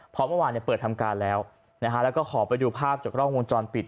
เพราะเมื่อวานเปิดทำการแล้วนะฮะแล้วก็ขอไปดูภาพจากกล้องวงจรปิด